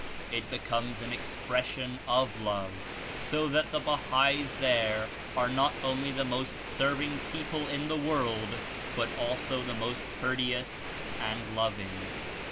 It becomes an expression of love, so that the Bahais there are not only the most serving people In the world, but also the most courteous and loving.